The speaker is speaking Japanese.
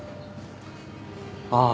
ああ。